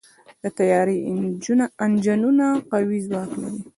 د طیارې انجنونه قوي ځواک لري.